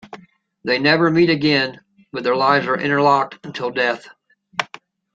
They never meet again, but their lives are interlocked until death.